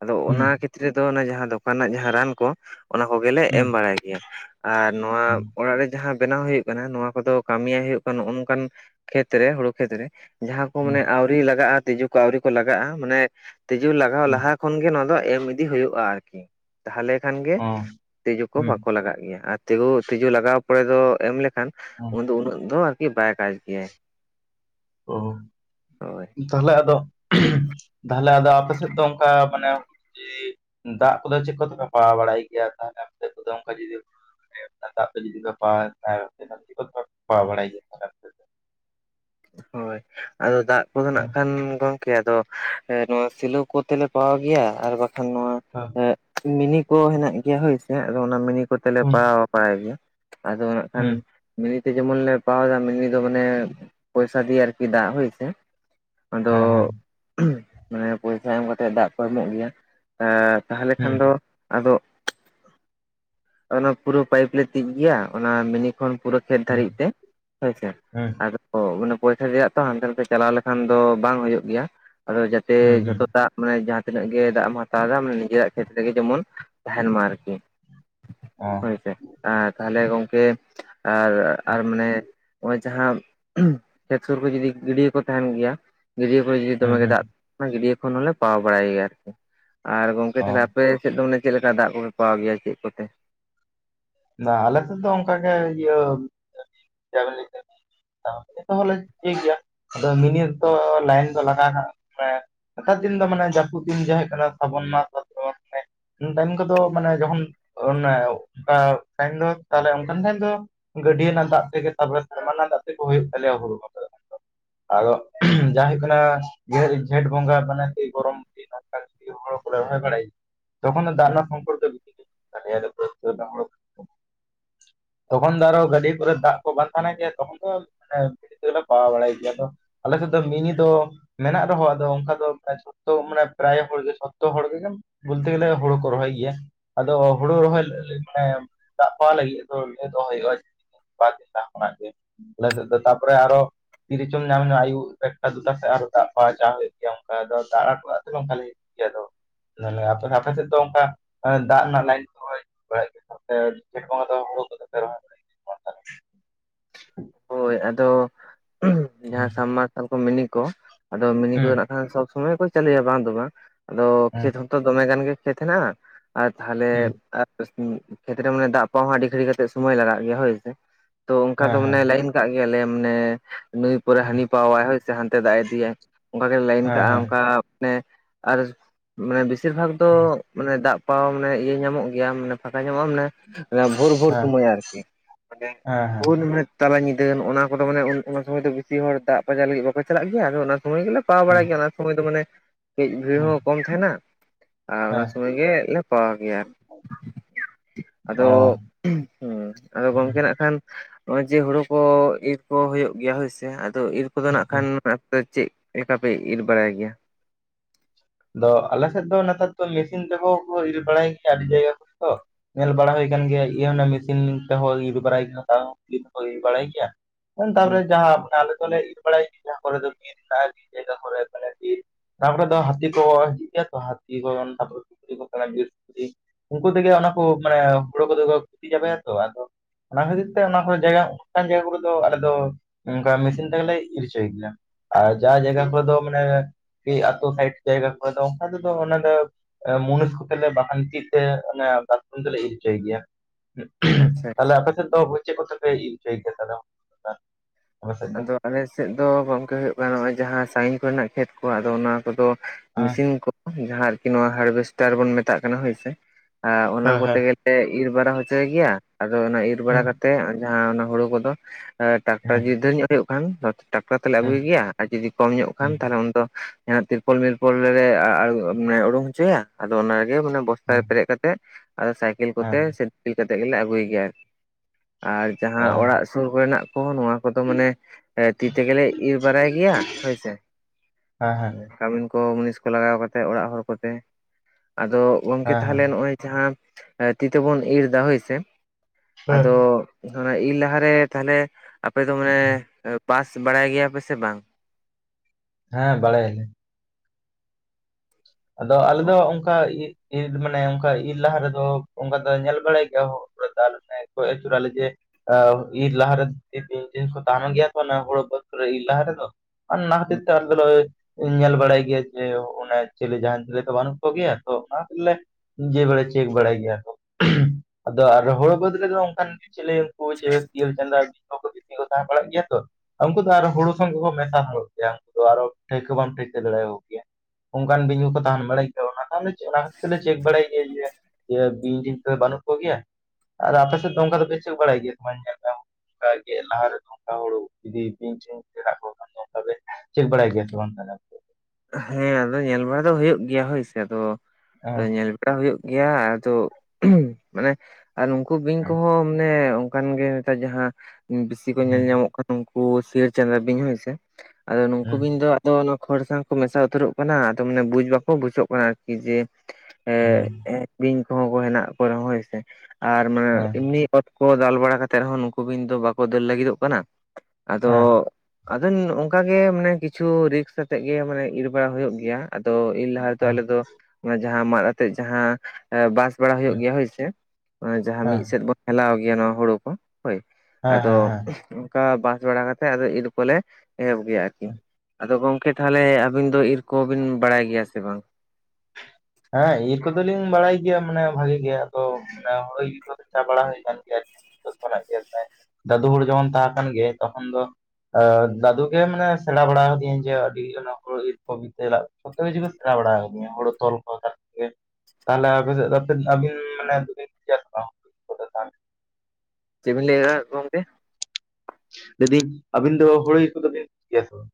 ᱟᱫᱚ ᱦᱩᱸ ᱚᱱᱟ ᱠᱷᱮᱛᱨᱮ ᱫᱚ ᱚᱱᱟ ᱡᱟᱦᱟᱸ ᱫᱚᱠᱟᱱ ᱱᱟᱜ ᱡᱟᱦᱟᱸ ᱨᱟᱱ ᱠᱚ ᱚᱱᱟ ᱠᱚᱜᱮᱞᱮ ᱦᱩᱸ ᱮᱢ ᱵᱟᱲᱟᱭ ᱜᱮᱭᱟ ᱟᱨ ᱱᱚᱣᱟ ᱦᱩᱸ ᱚᱲᱟᱜ ᱨᱮ ᱡᱟᱦᱟᱸ ᱵᱮᱱᱟᱣ ᱦᱩᱭᱩᱜ ᱠᱟᱱᱟ ᱱᱚᱣᱟ ᱠᱚᱫᱚ ᱠᱟᱹᱢᱤᱭ ᱦᱩᱭᱩᱜ ᱠᱟᱱᱟ ᱱᱚᱜ ᱱᱚᱝᱠᱟᱱ ᱠᱷᱮᱛᱨᱮ ᱦᱩᱲᱩ ᱠᱷᱮᱛᱨᱮ ᱡᱟᱦᱟᱸ ᱠᱚ ᱦᱩᱸ ᱢᱟᱱᱮ ᱟᱣᱨᱤ ᱞᱟᱜᱟᱜᱼᱟ ᱛᱤᱡᱩ ᱠᱚ ᱟᱣᱨᱤ ᱠᱚ ᱞᱟᱜᱟᱜᱼᱟ ᱢᱟᱱᱮ ᱛᱤᱡᱩ ᱞᱟᱜᱟᱣ ᱦᱩᱸ ᱞᱟᱦᱟ ᱠᱷᱚᱱ ᱜᱮ ᱱᱚᱣᱟ ᱫᱚ ᱮᱢ ᱤᱫᱤ ᱦᱩᱭᱩᱜᱼᱟ ᱟᱨᱠᱤ। ᱛᱟᱦᱚᱞᱮ ᱠᱷᱟᱱ ᱜᱮ ᱚ ᱛᱤᱡᱩ ᱠᱚ ᱦᱩᱸ ᱵᱟᱠᱚ ᱞᱟᱜᱟᱜ ᱜᱮᱭᱟ ᱟᱨ ᱛᱤᱜᱩ ᱛᱤᱡᱩ ᱞᱟᱜᱟᱣ ᱯᱚᱨᱮ ᱫᱚ ᱮᱢ ᱞᱮᱠᱷᱟᱱ ᱦᱩᱸ ᱩᱱ ᱫᱚ ᱩᱱᱟᱹᱜ ᱫᱚ ᱟᱨᱠᱤ ᱵᱟᱭ ᱠᱟᱡ ᱜᱮᱭᱟᱭ। ᱚ ᱦᱳᱭ ᱛᱟᱦᱚᱞᱮ ᱟᱫᱚ ᱛᱟᱦᱚᱞᱮ ᱟᱫᱚ ᱟᱯᱮ ᱥᱮᱫ ᱫᱚ ᱚᱱᱠᱟ ᱢᱟᱱᱮ ᱫᱟᱜ ᱠᱚᱫᱚ ᱪᱮᱫ ᱠᱚᱛᱮ ᱯᱮ ᱯᱟᱲᱟᱣ ᱵᱟᱲᱟᱭ ᱜᱮᱭᱟ ᱛᱟᱦᱚᱞᱮ ᱟᱯᱮ ᱠᱚᱫᱚ ᱚᱱᱠᱟ ᱡᱩᱫᱤ ᱯᱮ ᱡᱩᱫᱤ [inaudible] ᱯᱟᱲᱟᱭ ᱵᱟᱲᱟᱭ ᱜᱮᱭᱟ? ᱦᱳᱭ ᱟᱫᱚ ᱫᱟᱜ ᱠᱚᱫᱚ ᱱᱟᱜ ᱠᱷᱟᱱ ᱜᱚᱝ ᱠᱮ ᱟᱫᱚ ᱱᱚᱭᱟ ᱥᱮᱞᱳ ᱠᱚᱛᱮ ᱞᱮ ᱯᱟᱲᱟᱭ ᱜᱮᱭᱟ ᱟᱨ ᱵᱟᱠᱷᱟᱱ ᱱᱚᱣᱟ [inaudible] ᱢᱤᱱᱤ ᱠᱚ ᱦᱮᱱᱟᱜ ᱜᱮᱭᱟ ᱦᱳᱭᱥᱮ ᱟᱫᱚ ᱚᱱᱟ ᱢᱤᱱᱤ ᱠᱚᱛᱮ ᱞᱮ ᱦᱩᱸ ᱯᱟᱲᱟ ᱯᱟᱭᱟᱭ ᱜᱮᱭᱟ᱾ ᱟᱫᱚ ᱱᱟᱜ ᱠᱷᱟᱱ ᱦᱮᱸ ᱢᱤᱱᱤ ᱛᱮ ᱡᱮᱢᱚᱱ ᱞᱮ ᱯᱟᱣᱭᱟᱶᱫᱟ ᱢᱱᱤ ᱫᱚ ᱢᱟᱱᱮ ᱯᱚᱭᱥᱟ ᱫᱤᱭᱮ ᱟᱨᱠᱤ ᱫᱟᱜ ᱦᱩᱭ ᱥᱮ, ᱦᱮᱸ ᱟᱫᱚ ᱢᱟᱱᱮ ᱯᱚᱭᱥᱟ ᱮᱢ ᱠᱟᱛᱮᱜ ᱫᱟᱜ ᱠᱚ ᱮᱢᱚᱜ ᱜᱮᱭᱟ, ᱛᱟᱦᱞᱮ ᱠᱷᱟᱱ ᱦᱩᱸ ᱫᱚ, ᱟᱫᱚ ᱚᱱᱟ ᱯᱩᱨᱟᱹ ᱯᱟᱭᱤᱯ ᱞᱮ ᱛᱤᱡ ᱜᱮᱭᱟ ᱚᱱᱟ ᱢᱤᱱᱤ ᱠᱷᱚᱱ ᱯᱩᱨᱟᱹ ᱠᱷᱮᱛ ᱦᱩᱸ ᱫᱷᱟᱹᱨᱤᱡ ᱛᱮ, ᱦᱳᱭ ᱥᱮ ᱦᱩᱸ ᱟᱫᱚ ᱚᱱᱟ ᱯᱚᱭᱥᱟ ᱨᱮᱭᱟᱜ ᱛᱚ ᱦᱟᱱᱛᱮ ᱱᱟᱛᱮ ᱪᱟᱞᱟᱣ ᱞᱮᱠᱷᱟᱱ ᱫᱚ ᱵᱟᱝ ᱦᱩᱭᱩᱜ ᱜᱮᱭᱟ ᱟᱫᱚ ᱡᱟᱛᱮ ᱦᱩᱸ ᱦᱩᱸ ᱡᱷᱚᱛᱚ ᱴᱟᱜ ᱢᱟᱱᱮ ᱡᱟᱦᱟᱸ ᱛᱤᱱᱟᱹᱜ ᱜᱮ ᱫᱟᱜ ᱮᱢ ᱦᱟᱛᱟᱣ ᱫᱟᱢ ᱢᱟᱱᱮ ᱱᱤᱡᱮᱨᱟᱜ ᱠᱷᱮᱛ ᱨᱮᱜᱮ ᱡᱮᱢᱚᱱ ᱛᱟᱦᱮᱱᱢᱟ ᱟᱨᱠᱤ᱾ ᱚ ᱦᱳᱭᱥᱮ ᱟᱨ ᱛᱟᱦᱚᱞᱮ ᱜᱚᱝᱠᱮ ᱟᱨ ᱟᱨ ᱢᱟᱱᱮ ᱱᱚᱜ-ᱚᱭ ᱡᱟᱦᱟᱸ ᱠᱷᱮᱛ ᱥᱩᱨ ᱠᱚᱨᱮ ᱡᱩᱫᱤ ᱜᱟᱹᱰᱭᱟᱹ ᱠᱚ ᱛᱟᱦᱮᱱ ᱜᱮᱭᱟ ᱜᱟᱹᱰᱭᱟᱹ ᱠᱚᱨᱮ ᱡᱩᱫᱤ ᱦᱩᱸ ᱫᱚᱢᱮᱜᱮ ᱦᱩᱸ ᱫᱟᱜ ᱚᱱᱟ ᱜᱟᱹᱰᱭᱟᱹ ᱠᱷᱚᱱ ᱦᱚᱸᱞᱮ ᱯᱟᱣᱟᱶ ᱵᱟᱲᱟᱭ ᱜᱮᱭᱟ ᱟᱨᱠᱤ ᱟᱨ ᱜᱚᱝᱠᱮ ᱚ ᱛᱟᱦᱚᱞᱮ ᱟᱯᱮ ᱥᱮᱫ ᱫᱚ ᱢᱟᱱᱮ ᱪᱮᱫ ᱞᱮᱠᱟ ᱫᱟᱜ ᱠᱚᱯᱮ ᱯᱟᱣᱟᱶ ᱜᱮᱭᱟ ᱪᱮᱫ ᱠᱚᱛᱮ? ᱟᱞᱮ ᱥᱮᱫ ᱫᱚ ᱚᱱᱠᱟᱜᱮ ᱤᱭᱟᱹ [unintelligible] ᱦᱮᱸ ᱛᱚ ᱛᱟᱦᱚᱞᱮ ᱴᱷᱤᱠ ᱜᱮᱭᱟ ᱟᱫᱚ ᱢᱤᱱᱤ ᱠᱚ ᱞᱟᱭᱤᱱ ᱫᱚ ᱞᱟᱦᱟ ᱦᱟᱸᱜ [unintelligible] ᱱᱮᱛᱟᱨ ᱫᱤᱱ ᱫᱚ ᱢᱟᱱᱮ ᱡᱟᱹᱯᱩᱫ ᱫᱤᱱ ᱡᱟ ᱦᱩᱭᱩᱜ ᱠᱟᱱᱟ ᱥᱨᱟᱵᱚᱱ ᱢᱟᱥ ᱵᱷᱟᱫᱽᱫᱨᱚ ᱢᱟᱱᱮ ᱚᱱᱟ ᱴᱟᱭᱤᱢ ᱠᱚᱫᱚ ᱢᱟᱱᱮ ᱡᱚᱠᱷᱚᱱ ᱚᱱᱟ ᱚᱱᱠᱟ ᱴᱟᱭᱤᱢ ᱫᱚ ᱛᱟᱦᱞᱮ ᱚᱱᱠᱟᱱ ᱴᱟᱭᱤᱢ ᱫᱚ ᱜᱟᱹᱰᱭᱟᱹ ᱨᱮᱱᱟᱜ ᱫᱟᱜ ᱛᱮᱜᱮ ᱛᱯᱚᱨᱮ ᱥᱮᱢᱟ ᱨᱮᱱᱟᱜ ᱫᱟᱜ ᱛᱮᱜᱮ ᱦᱩᱭᱩᱜ ᱛᱟᱞᱮᱭᱟ ᱦᱩᱲᱩ ᱠᱚ ᱫᱚ᱾ ᱟᱫᱚ ᱡᱟ ᱦᱩᱭᱩᱜ ᱠᱟᱱᱟ ᱡᱷᱮᱸᱴ ᱵᱚᱸᱜᱟ ᱢᱟᱱᱮ ᱥᱮᱭ ᱜᱚᱨᱚᱢ ᱫᱤᱱ ᱚᱱᱠᱟ ᱡᱚᱠᱷᱚᱡ ᱦᱩᱲᱩ ᱠᱚᱞᱮ ᱨᱚᱦᱚᱭ ᱵᱟᱲᱟᱭᱟ, ᱛᱠᱷᱚᱱ ᱫᱚ ᱫᱟᱜ ᱨᱮᱱᱟᱜ ᱥᱚᱝᱠᱚᱴ ᱫᱚ ᱵᱮᱥᱤ ᱜᱮ [inaudible] ᱛᱟᱞᱮᱭᱟ [unintelligible] ᱛᱚᱠᱷᱚᱱ ᱫᱚ ᱟᱨᱚ ᱜᱟᱹᱰᱤᱭᱟᱹ ᱠᱚᱨᱮ ᱫᱟᱜ ᱠᱚ ᱵᱟᱝ ᱛᱟᱦᱮᱱᱟ ᱜᱮᱭᱟ ᱛᱚᱠᱷᱱ ᱫᱚ ᱢᱟᱱᱮ ᱢᱤᱱᱤ ᱛᱮᱜᱮ ᱯᱟᱣᱟᱶ ᱵᱟᱲᱟᱭ ᱜᱮᱭᱟ ᱟᱫᱚ᱾ ᱟᱞᱮ ᱥᱮᱫ ᱫᱚ ᱢᱤᱱᱤ ᱫᱚ ᱢᱮᱱᱟᱜ ᱨᱮᱦᱚᱸ ᱟᱫᱚ ᱚᱱᱠᱟ ᱫᱚ ᱢᱟᱱᱮ ᱡᱷᱚᱛᱚ ᱢᱟᱱᱮ ᱯᱨᱟᱭ ᱦᱚᱲ ᱜᱮ ᱡᱷᱚᱛᱛᱚ ᱦᱚᱲ ᱜᱮᱜᱮᱢ ᱵᱚᱞᱛᱮ ᱜᱮᱞᱮ ᱦᱳᱲᱚ ᱠᱚ ᱨᱚᱦᱚᱭ ᱜᱮᱭᱟ, ᱟᱫᱚ ᱦᱩᱲᱩ ᱨᱚᱦᱚᱭ ᱢᱟᱱᱮ ᱫᱟᱜ ᱯᱟᱣᱟᱶ ᱞᱟᱹᱜᱤᱫ ᱟᱫᱚ ᱞᱟᱹᱭᱟ ᱫᱚᱦᱚᱭ ᱦᱩᱭᱩᱜᱼᱟ [unintelligible] ᱠᱷᱚᱱᱟᱜ ᱜᱮ ᱟᱞᱮ ᱥᱮᱫ ᱫᱚ ᱛᱟᱯᱚᱨᱮ ᱟᱨᱚ ᱛᱤᱨᱮᱪᱚᱢ ᱧᱟᱢ ᱤᱧᱼᱟ ᱟᱭᱩᱵ ᱮᱠᱴᱟ ᱫᱩᱴᱟ ᱥᱮᱫ ᱟᱨᱚ ᱫᱟᱜ ᱯᱟᱣᱟᱶ ᱪᱟᱜ ᱦᱩᱭᱩᱜ ᱜᱮᱭᱟ ᱚᱱᱠᱟ ᱫᱚ ᱫᱟᱜ [unintelligible] ᱜᱮ ᱟᱫᱚ, [unintelligible] ᱟᱯᱮ ᱟᱯᱮ ᱥᱮᱫ ᱫᱚ ᱚᱱᱠᱟ ᱫᱟᱜ ᱨᱮᱱᱟᱜ ᱞᱟᱭᱤᱱ ᱠᱚᱫᱚ ᱳᱣ ᱮᱚ ᱪᱮᱫ ᱠᱚ ᱢᱮᱛᱟᱜᱼᱟ? [unintelligible] ᱦᱳᱭ ᱟᱫᱚ ᱡᱟᱦᱟᱸ ᱦᱩᱸ ᱥᱟᱢ ᱢᱟᱨᱟᱥᱟᱞ ᱠᱚ, ᱢᱤᱱᱤ ᱠᱚ᱾ ᱟᱫᱚ ᱢᱤᱱᱤ ᱠᱚᱫᱚ ᱦᱩᱸ ᱦᱱᱟᱜ ᱠᱷᱟᱱ ᱥᱚᱵ ᱥᱚᱢᱚᱭ ᱠᱚ ᱪᱟᱹᱞᱩᱭᱟ ᱵᱟᱝ ᱫᱚ ᱵᱟᱝ, ᱟᱫᱚ ᱦᱩᱸ ᱠᱷᱮᱛ ᱦᱚᱸ ᱛᱚ ᱫᱚᱢᱮ ᱜᱟᱱ ᱜᱮ ᱠᱷᱮᱛ ᱦᱮᱱᱟᱜᱼᱟ ᱟᱨ ᱛᱟᱦᱚᱞᱮ ᱦᱮᱸ ᱦᱮᱸ ᱦᱮᱸ ᱟᱨ ᱠᱷᱮᱛ ᱨᱮ ᱢᱟᱱᱮ ᱫᱟᱜ ᱯᱟᱣᱭᱟᱶ ᱦᱚᱸ ᱟᱹᱰᱤ ᱜᱷᱟᱹᱲᱤᱡ ᱠᱟᱛᱮᱝ ᱥᱚᱢᱚᱭ ᱞᱟᱜᱟᱜ ᱜᱮᱭᱟ ᱦᱳᱭ ᱥᱮ ᱛᱚ ᱚᱱᱠᱟ ᱦᱮᱸ ᱫᱚ ᱦᱮᱸ ᱢᱟᱱᱮ ᱞᱟᱭᱤᱱ ᱠᱟᱜ ᱜᱮᱭᱟ ᱞᱮ ᱢᱟᱱᱮ ᱱᱟᱹᱭ ᱯᱚᱨᱮ ᱦᱟᱱᱤ ᱯᱟᱣᱟᱭᱟᱶᱟᱭ ᱦᱳᱭ ᱥᱮ ᱦᱟᱱᱛᱮ ᱫᱟᱜ ᱮ ᱤᱫᱤᱭᱟᱭ, ᱚᱱᱠᱟ ᱜᱮᱭ ᱞᱟᱭᱤᱱ ᱠᱟᱜᱼᱟ ᱦᱮᱸ ᱚᱱᱠᱟ ᱱᱮ ᱟᱨ ᱢᱟᱱᱮ ᱵᱮᱥᱤᱨ ᱵᱷᱟᱜᱽ ᱫᱚ ᱢᱟᱱᱮ ᱫᱟᱜ ᱯᱟᱣᱟᱶ ᱢᱟᱱᱮ ᱤᱭᱟᱹ ᱧᱟᱢᱚᱜ ᱜᱮᱭᱟ ᱢᱟᱱᱮ ᱯᱷᱟᱸᱠᱟ ᱧᱟᱢᱚᱜᱼᱟ ᱢᱟᱱᱮ ᱚᱱᱟ ᱵᱷᱳᱨ ᱵᱷᱳᱨ ᱥᱚᱢᱚᱭ ᱟᱨᱠᱤ ᱢᱟᱱᱮ ᱵᱷᱳᱨ ᱢᱟᱱᱮ ᱛᱟᱞᱟ ᱧᱤᱫᱟᱹ ᱚᱱᱟ ᱠᱚᱫᱚ ᱢᱟᱱᱮ ᱚᱱᱟ ᱥᱚᱢᱚᱭ ᱫᱚ ᱵᱤᱥᱤ ᱦᱚᱲ ᱫᱟᱜ ᱯᱟᱸᱡᱟ ᱞᱟᱹᱜᱤᱫ ᱵᱟᱠᱚ ᱪᱟᱞᱟᱜ ᱜᱮᱭᱟ ᱟᱫᱚ ᱚᱱᱟ ᱥᱚᱢᱚᱭ ᱜᱮᱞᱮ ᱯᱟᱣᱟᱶ ᱦᱮᱸ ᱦᱮᱸ ᱵᱟᱲᱟᱭ ᱜᱮᱭᱟ ᱚᱱᱟ ᱥᱚᱢᱚᱭ ᱫᱚ ᱢᱟᱱᱮ ᱠᱟᱹᱡ ᱵᱷᱤᱲ ᱦᱚᱸ ᱠᱚᱢ ᱛᱟᱦᱮᱱᱟ᱾ ᱟᱨ ᱚᱱᱟ ᱦᱮᱸ ᱥᱚᱢᱚᱭ ᱜᱮ ᱞᱮ ᱯᱟᱣᱟᱶ ᱜᱮᱭᱟ ᱟᱨᱠᱤ᱾ ᱚ ᱟᱫᱚ ᱦᱩᱸ ᱟᱫᱚ ᱦᱩᱸ ᱜᱚᱝᱠᱮ ᱱᱟᱜ ᱠᱷᱟᱱ ᱱᱚᱜᱼᱚᱭ ᱡᱮ ᱦᱳᱲᱳ ᱠᱚ ᱤᱨ ᱠᱚ ᱦᱩᱭᱩᱜ ᱜᱮᱭᱟ ᱦᱳᱭᱥᱮ ᱟᱫᱚ ᱤᱨ ᱠᱚᱫᱚ ᱱᱟᱜ ᱦᱩᱸ ᱠᱷᱟᱱ ᱟᱯᱮ ᱫᱟ ᱪᱮᱫ ᱪᱮᱫ ᱞᱮᱠᱟᱯᱮ ᱤᱨ ᱵᱟᱲᱟᱭ ᱜᱮᱭᱟ? ᱫᱚ ᱟᱞᱮ ᱥᱮᱫ ᱫᱚ ᱱᱮᱛᱟᱨ ᱫᱚ ᱢᱮᱥᱤᱱ ᱛᱮᱠᱚ ᱠᱚ ᱤᱨ ᱵᱟᱲᱟᱭ ᱜᱮᱭᱟ ᱟᱹᱰᱤ ᱡᱟᱭᱜᱟ ᱠᱚᱛᱚ᱾ ᱧᱮᱞ ᱵᱟᱲᱟ ᱦᱩᱭ ᱠᱟᱱ ᱜᱮᱭᱟ ᱤᱭᱟᱹ ᱢᱟᱱᱮ ᱢᱮᱥᱤᱱ ᱛᱮᱦᱚᱸ ᱤᱨ ᱵᱟᱲᱟᱭ ᱜᱮ [unintelligible] ᱤᱨ ᱦᱳᱭ ᱵᱟᱲᱟᱭ ᱜᱮᱭᱟ᱾ ᱦᱩᱸ ᱛᱟᱯᱚᱨᱮ ᱡᱟᱦᱟᱸ ᱢᱟᱱᱮ ᱟᱞᱮ ᱠᱚᱞᱮ ᱤᱨ ᱵᱟᱲᱟᱭᱟ ᱜᱮᱭᱟ ᱡᱟᱦᱟ ᱠᱚᱨᱮ ᱫᱚ ᱵᱤᱨ ᱢᱮᱛᱟᱜᱼᱟ ᱵᱤᱨ [unintelligible] ᱛᱟᱨᱯᱚᱨ ᱫᱚ ᱦᱟᱛᱤ ᱛᱚ [unintelligible] ᱜᱷᱚᱱᱴᱚ ᱠᱚ ᱦᱤᱡᱩ᱾ ᱡᱮ [unintelligible] ᱩᱱᱠᱩ ᱛᱮᱜᱮ ᱚᱱᱟ ᱠᱚ ᱢᱟᱱᱮ ᱦᱩᱲᱳ ᱠᱚᱫᱚ ᱠᱷᱩᱴᱤ ᱪᱟᱵᱟᱭᱟᱛᱚ ᱟᱫᱚ᱾ ᱚᱱᱟ ᱠᱷᱟᱹᱛᱤᱨ ᱛᱮ ᱚᱱᱟ ᱠᱚ ᱡᱟᱭᱜᱟ ᱚᱱᱠᱟᱱ ᱡᱟᱭᱜᱟ ᱠᱚᱨᱮ ᱫᱚ ᱟᱞᱮ ᱫᱚ ᱚᱱᱠᱟ ᱢᱮᱥᱤᱱ ᱛᱮᱜᱮᱞᱮ ᱤᱨᱪᱚᱭ ᱜᱮᱭᱟ ᱟᱨ ᱡᱟᱦᱟ ᱡᱟᱭᱜᱟ ᱠᱚᱨᱮ ᱫᱚ ᱢᱟᱱᱮ ᱟᱛᱳ ᱥᱟᱭᱤᱰ ᱡᱟᱭᱜᱟ ᱠᱚ ᱚᱱᱠᱟ ᱛᱮᱫᱚ ᱚᱱᱟ ᱫᱚ ᱢᱩᱱᱤᱥ ᱠᱚᱛᱮᱞᱮ ᱵᱟᱠᱷᱟᱱ ᱛᱤ ᱛᱮ ᱚᱱᱮ ᱫᱟᱛᱨᱚᱢ ᱛᱮᱞᱮ ᱤᱨ ᱦᱚᱪᱚᱭ ᱜᱮᱭᱟ᱾ ᱩᱦ ᱟᱪᱪᱷᱟ ᱦᱚᱸ ᱟᱪᱪᱷᱟ ᱛᱟᱦᱚᱞᱮ ᱟᱯᱮ ᱥᱮᱫ ᱫᱚ ᱪᱮᱫ ᱠᱚᱛᱮ ᱯᱮ ᱤᱨ ᱤᱭᱩᱪᱚᱭ ᱜᱮᱭᱟ ᱛᱟᱦᱮ? ᱟᱫᱚ ᱟᱞᱮ ᱥᱮᱫ ᱫᱚ ᱜᱚᱝᱠᱮ ᱦᱩᱭᱩᱜ ᱠᱟᱱᱟ ᱱᱚᱜᱚᱭ ᱡᱟᱦᱟᱸ ᱥᱟᱜᱤᱧ ᱠᱚ ᱨᱮᱱᱟᱜ ᱠᱷᱮᱛ ᱠᱚ ᱟᱫᱚ ᱚᱱᱟ ᱠᱚᱫᱚ ᱦᱮᱸ ᱢᱮᱥᱤᱱ ᱠᱚ ᱡᱟᱦᱟᱸ ᱟᱨᱠᱤ ᱱᱚᱣᱟ ᱦᱟᱨᱵᱷᱮᱥᱴᱟᱨ ᱵᱚᱱ ᱢᱮᱛᱟᱜ ᱠᱟᱱᱟ ᱦᱳᱭᱥᱮ᱾ ᱟᱸ ᱚᱱᱟ ᱦᱮᱸ ᱠᱚᱛᱮ ᱦᱮᱸ ᱜᱮᱞᱮ ᱤᱨ ᱵᱟᱲᱟ ᱦᱚᱪᱚᱭ ᱜᱮᱭᱟ ᱟᱫᱚ ᱚᱱᱟ ᱤᱨ ᱵᱟᱲᱟ ᱦᱩᱸ ᱠᱟᱛᱮᱜ᱾ ᱡᱟᱦᱟᱸ ᱚᱱᱟ ᱦᱩᱲᱩ ᱠᱚᱫᱚ ᱴᱨᱟᱠᱴᱟᱨ ᱦᱩᱸ ᱡᱩᱫᱟᱹ ᱫᱷᱟᱹᱨ ᱧᱚᱜ ᱦᱳᱭᱜ ᱠᱷᱟᱱ ᱛᱚ᱾ ᱴᱟᱨᱟᱠᱴᱟᱨ ᱛᱮᱞᱮ ᱦᱩᱸ ᱟᱹᱜᱩᱭ ᱜᱮᱭᱟ ᱟᱨ ᱡᱩᱫᱤ ᱠᱚᱢ ᱧᱚᱜ ᱠᱷᱟᱱ ᱦᱩᱸ ᱛᱟᱦᱞᱮ ᱩᱱᱫᱚ ᱮᱸᱫ ᱛᱤᱨᱯᱚᱞ ᱢᱤᱨᱯᱚᱞᱮ ᱢᱟᱱᱮ ᱩᱰᱩᱠ ᱦᱚᱪᱚᱭᱟ ᱟᱫᱚ ᱚᱱᱟ ᱨᱮᱜᱮ ᱢᱟᱱᱮ ᱵᱚ ᱵᱚᱥᱛᱟ ᱨᱮ ᱦᱮᱸ ᱯᱮᱨᱮᱡ ᱠᱟᱛᱮ ᱟᱫᱚ ᱥᱟᱭᱠᱮᱞ ᱠᱚᱛᱮ ᱦᱮᱸ ᱥᱮ ᱫᱤᱯᱤᱞ ᱠᱟᱛᱮ ᱜᱮᱞᱮ ᱟᱹᱜᱩᱭ ᱜᱮᱭᱟ, ᱟᱨ ᱡᱟᱦᱟᱸ ᱚ ᱚᱲᱟᱜ ᱥᱩᱨ ᱠᱚᱨᱮᱱᱟᱜ ᱠᱚᱦᱚ ᱱᱚᱣᱟ ᱫᱚ ᱢᱟᱱᱮ ᱛᱤᱛᱮ ᱛᱮᱜᱮᱞᱮ ᱤᱨ ᱜᱮᱭᱟ ᱦᱳᱭ ᱥᱮ᱾ ᱦᱮᱸ ᱦᱮᱸ ᱠᱟᱢᱤᱱ ᱠᱚ ᱢᱩᱱᱤᱥ ᱞᱟᱜᱟᱣ ᱠᱟᱛᱮ ᱚᱲᱟᱜ ᱦᱚᱲ ᱠᱚᱛᱮ, ᱟᱫᱚ ᱜᱚᱢᱠᱮ ᱦᱮᱸ ᱦᱮᱸ ᱛᱟᱦᱚᱞᱮ ᱱᱚᱜᱼᱚᱭ ᱡᱟᱦᱟᱸ ᱛᱤ ᱛᱮᱵᱚᱱ ᱤᱨᱻ ᱮᱫᱟ ᱦᱳᱭ ᱥᱮ ᱦᱮᱸ ᱟᱫᱚ ᱚᱱᱟ ᱤᱨ ᱞᱟᱦᱟᱨᱮ ᱛᱟᱦᱚᱞᱮ ᱟᱯᱮᱫᱚ ᱢᱟᱱᱮ ᱵᱟᱥ ᱵᱟᱲᱟᱭ ᱜᱮᱭᱟ ᱯᱮ ᱥᱮ ᱵᱟᱝ? ᱦᱮᱸ ᱵᱟᱲᱟᱭ ᱟᱞᱮ᱾ ᱟᱫᱚ ᱟᱞᱮ ᱫᱚ ᱚᱱᱠᱟ ᱤ᱾ ᱤᱨ ᱢᱟᱱᱮ ᱚᱱᱠᱟ ᱤᱨ ᱞᱟᱦᱟ ᱨᱮᱫᱚ ᱚᱱᱠᱟ ᱫᱚ ᱧᱮᱞ ᱵᱟᱲᱟᱭ ᱜᱮᱭᱟ ᱜᱚᱡ ᱟᱹᱪᱩᱨᱟᱞᱮ ᱡᱮ᱾ ᱟ ᱤᱨ ᱞᱟᱦᱟᱨᱮ ᱵᱤᱧ ᱴᱤᱧ ᱠᱚ ᱛᱟᱦᱮᱱ ᱜᱮᱭᱟ ᱠᱚ ᱦᱩᱲᱩ ᱠᱷᱮᱫ ᱠᱚᱨᱮ ᱤᱨ ᱞᱟᱦᱟᱨᱮ ᱫᱚ᱾ ᱟᱨ ᱚᱱᱟ ᱠᱷᱟᱹᱛᱤᱨ ᱛᱮ ᱟᱞᱮ ᱫᱚᱞᱮ ᱧᱮᱞ ᱵᱟᱲᱟᱭ ᱜᱮᱭᱟ ᱡᱮ ᱚᱱᱮ᱾ ᱪᱮ ᱡᱟᱦᱟᱱ ᱛᱚ ᱵᱟᱹᱱᱩᱜ ᱠᱚᱜᱮᱭᱟ ᱛᱚ ᱢᱟᱜ ᱞᱮ᱾ ᱤᱡᱟᱹᱭ ᱵᱟᱲᱟᱭ ᱪᱮᱠ ᱵᱟᱲᱟᱭ ᱜᱮᱭᱟ ᱠᱚ ᱟᱫᱚ ᱟᱨᱚ ᱦᱳᱲᱳ ᱵᱟᱹᱫᱽ ᱨᱮᱫᱚ ᱚᱱᱠᱟᱱ᱾ ᱪᱤᱞᱟᱹ ᱩᱱᱠᱩ ᱥᱤᱭᱚᱞ ᱪᱟᱸᱫᱟ ᱵᱤᱧ ᱠᱚ ᱵᱮᱥᱤ ᱠᱚ ᱛᱟᱦᱮᱸ ᱵᱟᱲᱟᱜ ᱜᱮᱭᱟ ᱛᱚ? ᱩᱱᱠᱩ ᱫᱚ ᱟᱨᱚ ᱦᱩᱲᱩ ᱥᱚᱸᱜᱮ ᱠᱚ ᱢᱮᱥᱟ ᱜᱮᱭᱟ ᱩᱱᱠᱩ ᱫᱚ ᱟᱨᱚ ᱴᱷᱟᱹᱣᱠᱟᱹ ᱵᱟᱢ ᱴᱷᱟᱹᱣᱠᱟᱹ ᱫᱟᱲᱮ ᱟᱠᱠᱚ ᱜᱮᱭᱟ᱾ ᱚᱱᱠᱟᱱ ᱵᱤᱧ ᱜᱮᱠᱚ ᱛᱟᱦᱮᱱ ᱵᱟᱲᱟᱭ ᱜᱮᱭᱟ ᱚᱱᱟ ᱛᱟᱦᱮ ᱚᱱᱟ ᱠᱷᱟᱹᱛᱤᱨ ᱛᱮᱞᱮ ᱪᱮᱠ ᱵᱟᱲᱟᱭ ᱜᱮᱭᱟ ᱤᱭᱟᱹ᱾ ᱮᱭᱟ. ᱵᱤᱧ ᱴᱤᱧ ᱠᱚ ᱵᱟᱹᱱᱩᱜ ᱠᱚ ᱜᱮᱭᱟ ᱟᱨ ᱟᱯᱮ ᱥᱮᱫ ᱫᱚ ᱚᱱᱠᱟ ᱫᱚ ᱯᱮ ᱪᱮᱠ ᱵᱟᱲᱟᱭ ᱜᱮᱭᱟ ᱵᱟᱝ ᱧᱮᱞ ᱧᱟᱢ᱾ ᱮᱱᱠᱟ ᱜᱮ ᱞᱟᱦᱟᱨᱮ ᱫᱚᱝᱠᱟ ᱦᱩᱲᱩ ᱤᱫᱤ ᱤᱧ ᱪᱮ᱾ [unintelligible] ᱪᱮᱠ ᱵᱟᱲᱟᱭ ᱜᱮᱭᱟ ᱥᱮ ᱵᱟᱝ ᱛᱟᱦᱞᱮ? ᱫᱚ? ᱦᱮᱸ ᱟᱫᱚ ᱧᱮᱞ ᱵᱟᱲᱟ ᱫᱚ ᱦᱩᱭᱩᱜ ᱜᱮᱭᱟ ᱦᱳᱭᱥᱮ ᱟᱫᱚ ᱦᱮᱸ ᱧᱮᱞ᱾ ᱧᱮᱞ ᱵᱟᱲᱟ ᱦᱩᱭᱩᱜ ᱜᱮᱭᱟ ᱟᱫᱚ ᱢᱟᱱᱮ ᱟᱨ ᱱᱩᱠᱩ ᱵᱤᱧ ᱠᱚᱦᱚᱸ ᱢᱟᱱᱮ᱾ ᱚᱱᱠᱟᱱ ᱜᱮ ᱱᱮᱛᱟᱨ ᱡᱟᱦᱟᱸ ᱵᱮᱥᱤ ᱠᱚ ᱧᱮᱞ ᱦᱮᱸ ᱧᱟᱢᱚᱜ ᱠᱟᱱᱟ ᱩᱱᱠᱩ ᱥᱮᱭᱟᱹᱲ ᱪᱟᱸᱫᱟ ᱵᱤᱧ ᱦᱳᱭ ᱥᱮ? ᱟᱫᱚ ᱱᱩᱠᱩ ᱦᱮᱸ ᱵᱤᱱ ᱫᱚ ᱟᱫᱚ ᱠᱷᱚᱲ ᱥᱟᱣ᱾ ᱠᱚ ᱢᱮᱥᱟ ᱩᱛᱟᱹᱨᱚᱜ ᱠᱟᱱᱟ ᱟᱫᱚ ᱢᱟᱱᱮ ᱵᱩᱡ ᱵᱟᱠᱚ ᱵᱩᱡᱷᱟᱹᱜ ᱠᱟᱱᱟ ᱟᱨᱠᱤ ᱡᱮ᱾ ᱮᱸ ᱦᱮᱸ ᱵᱤᱧ ᱠᱚᱦᱚᱸ ᱠᱚ ᱦᱮᱱᱟᱜ ᱠᱚ ᱨᱮᱦᱚᱸ ᱦᱳᱭ ᱥᱮ ᱟᱨ ᱢᱟᱱᱮ ᱦᱮᱸ ᱮᱢᱱᱤ᱾ ᱚᱛ ᱠᱚᱦᱚ ᱫᱟᱞ ᱵᱟᱲᱟ ᱠᱟᱛᱮᱫ ᱨᱮᱦᱚᱸ ᱱᱩᱠᱩ ᱵᱤᱧ ᱫᱚ ᱵᱟᱠᱚ ᱫᱟᱹᱲ ᱞᱟᱹᱜᱤᱫᱚᱜ ᱠᱟᱱᱟ ᱟᱫᱚ᱾ ᱦᱮᱸ ᱟᱫᱚ ᱚᱱᱠᱟᱜᱮ ᱢᱟᱱᱮ ᱠᱤᱪᱷᱩ ᱨᱤᱠᱥ ᱠᱟᱛᱮᱜ ᱜᱮ ᱢᱟᱱᱮ ᱤᱨ ᱵᱟᱲᱟ ᱦᱩᱭᱩᱜ ᱜᱮᱭᱟ ᱟᱫᱚ᱾ ᱤᱨ ᱞᱟᱦᱟ ᱨᱮᱫᱚ ᱦᱮᱸ ᱟᱞᱮ ᱫᱚ ᱡᱟᱦᱟᱸ ᱢᱟᱫ ᱟᱛᱮᱜ ᱡᱟᱦᱟᱸ ᱮ ᱵᱟᱥ᱾ ᱵᱟᱲᱟᱭ ᱦᱩᱭᱩᱜ ᱜᱮᱭᱟ ᱦᱳᱭᱥᱮ ᱡᱟᱦᱟᱸ ᱦᱮᱸ ᱢᱤᱫ ᱥᱮᱫ ᱵᱚᱱ ᱦᱮᱞᱟᱣ ᱜᱮᱭᱟ ᱱᱚᱣᱟ ᱦᱩᱲᱩ ᱠᱚ᱾ ᱦᱳᱭ ᱦᱮᱸ ᱦᱮᱸ ᱟᱫᱚ ᱦᱮᱸ ᱚᱱᱠᱟ ᱵᱟᱥ ᱵᱟᱲᱟ ᱠᱟᱛᱮ ᱟᱫᱚ ᱤᱨ ᱯᱚᱞᱮ᱾ ᱮᱦᱚᱵ ᱜᱮᱭᱟ ᱟᱨᱠᱤ ᱟᱫᱚ ᱜᱚᱢᱠᱮ ᱛᱟᱦᱚᱞᱮ ᱟᱹᱵᱤᱱ ᱫᱚ ᱤᱨ ᱠᱚᱦᱚᱵᱤᱱ ᱵᱟᱲᱟᱭ ᱜᱮᱭᱟ ᱥᱮ ᱵᱟᱝ? ᱦᱮᱸ ᱤᱨ ᱠᱚᱫᱚᱞᱤᱧ ᱵᱟᱰᱟᱭ ᱜᱮᱭᱟ ᱢᱟᱱᱮ ᱵᱷᱟᱜᱤ ᱜᱮᱭᱟ ᱟᱫᱚ ᱢᱟᱱᱮ ᱦᱳᱭ ᱤᱫᱤ ᱠᱚ ᱪᱟ ᱵᱟᱲᱟ ᱦᱩᱭ ᱜᱮᱭᱟ ᱟᱨᱠᱤ ᱡᱚᱛᱚᱱᱟᱜ ᱜᱮ ᱛᱟᱦᱮᱸ ᱫᱟᱫᱩ ᱦᱚᱲ ᱡᱚᱠᱷᱚᱱ ᱛᱟᱦᱮᱸ ᱠᱟᱱ ᱜᱮᱭᱟ ᱛᱚᱠᱷᱚᱱ ᱫᱚ ᱫᱟᱫᱩ ᱜᱮ ᱢᱟᱱᱮ ᱥᱮᱲᱟ ᱵᱟᱲᱟ ᱦᱟᱹᱫᱤᱧᱟᱭ ᱡᱮ ᱟᱹᱰᱤ ᱚᱱᱠᱟ ᱠᱚ ᱤᱨ ᱵᱤᱛᱟᱹᱞᱟ᱾ ᱠᱚᱛᱚᱠ ᱥᱤᱱᱤᱥ ᱥᱮᱲᱟ ᱵᱟᱲᱟ ᱦᱟᱹᱫᱤᱧᱟ, ᱦᱚᱲᱩ ᱛᱚᱞ᱾ ᱚ [unintelligible] ᱛᱟᱦᱚᱞᱮ ᱟᱯᱮᱥᱮᱫ ᱟᱹᱵᱤᱱ ᱢᱟᱱᱮ ᱟᱹᱵᱤᱱ ᱪᱮᱜ ᱵᱤᱱ ᱞᱟᱹᱭᱮᱜᱼᱟ ᱜᱚᱝᱠᱮ ᱞᱟᱹᱭᱫᱟᱧ ᱟᱹᱵᱤᱱ ᱫᱚ ᱦᱩᱲᱩ ᱤᱨ ᱠᱚᱫᱚ ᱵᱤᱱ ᱟᱥᱮ ᱵᱟᱝ